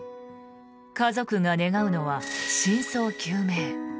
家族が願うのは真相究明。